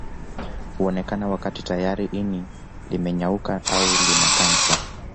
Huonekana wakati tayari ini limenyauka au lina kansa